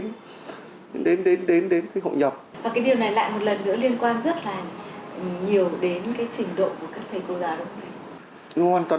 nhiều đến cái trình độ của các thầy cô giáo đúng không ạ